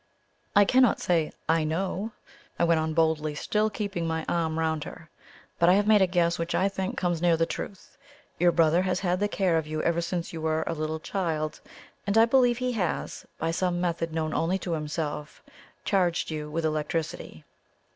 "I cannot say I KNOW," I went on boldly, still keeping my arms round her; "but I have made a guess which I think comes near the truth. Your brother has had the care of you ever since you were a little child, and I believe he has, by some method known only to himself, charged you with electricity.